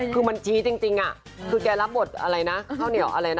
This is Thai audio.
คือมันชี้จริงคือแกรับบทอะไรนะข้าวเหนียวอะไรนะ